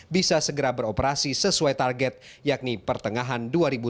bisa segera beroperasi sesuai target yakni pertengahan dua ribu dua puluh